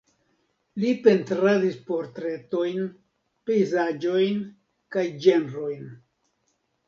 Li pentradis portretojn, pejzaĝojn kaj ĝenrojn.